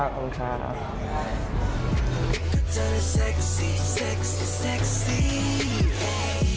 ขอบคุณค่ะ